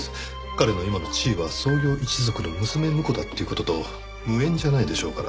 彼の今の地位は創業一族の娘婿だっていう事と無縁じゃないでしょうから。